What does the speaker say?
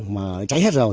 mà cháy hết rồi